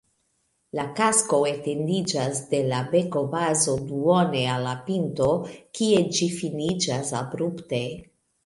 La kasko etendiĝas de la bekobazo duone al la pinto, kie ĝi finiĝas abrupte.